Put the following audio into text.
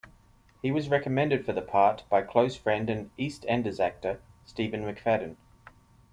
He was recommended for the part by close friend and "EastEnders" actor Steve McFadden.